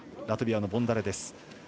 ラトビアのボンダレです。